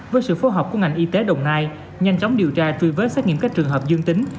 với sự phối hợp của ngành y tế đồng nai nhanh chóng điều tra truy vết xét nghiệm các trường hợp dương tính